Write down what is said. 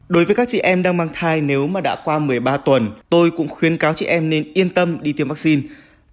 đối với các chị em đang mang thai nếu mà đã qua một mươi ba tuần tôi cũng khuyến cáo chị em nên yên tâm đi tiêm vaccine